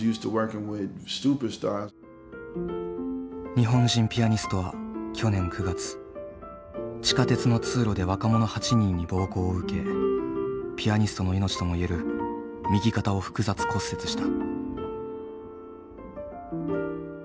日本人ピアニストは去年９月地下鉄の通路で若者８人に暴行を受けピアニストの命とも言える右肩を複雑骨折した。